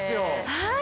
はい！